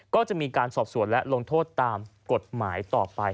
ก็จะมีการสอบสวนและลงโทษตามกฎหมายต่อไป